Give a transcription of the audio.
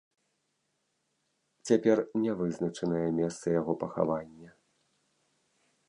Цяпер не вызначанае месца яго пахавання.